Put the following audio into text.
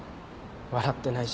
笑ってないし。